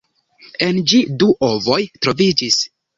En ĝi du ovoj troviĝis.